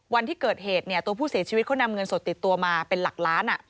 วันที่เกิดเหตุตัวผู้เสียชีวิตเขานำเงินสดติดตัวมาเป็นหลักล้าน